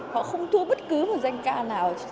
họ không thua bất cứ một danh ca nào